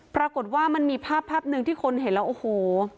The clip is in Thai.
ปรากฏว่ามันมีภาพภาพหนึ่งที่คนเห็นแล้วโอ้โห